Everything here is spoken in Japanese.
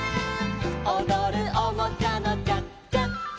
「おどるおもちゃのチャチャチャ」